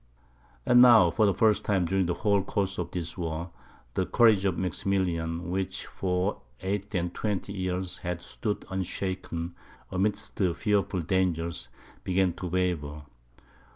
And now, for the first time during the whole course of this war, the courage of Maximilian, which for eight and twenty years had stood unshaken amidst fearful dangers, began to waver.